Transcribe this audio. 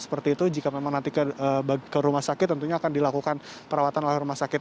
seperti itu jika memang nanti ke rumah sakit tentunya akan dilakukan perawatan oleh rumah sakit